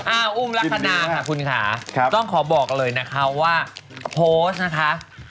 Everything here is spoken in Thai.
อุ้มลักษณะค่ะคุณค่ะต้องขอบอกเลยนะคะว่าโพสต์นะคะ